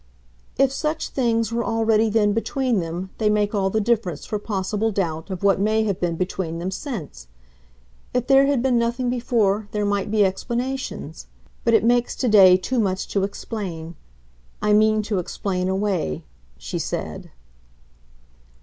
"If such things were already then between them they make all the difference for possible doubt of what may have been between them since. If there had been nothing before there might be explanations. But it makes to day too much to explain. I mean to explain away," she said.